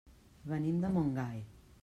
Venim de Montgai.